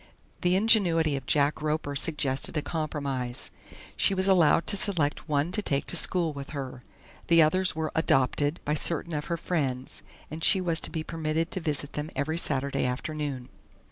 The ingenuity of Jack Roper suggested a compromise. She was allowed to select one to take to school with her; the others were ADOPTED by certain of her friends, and she was to be permitted to visit them every Saturday afternoon.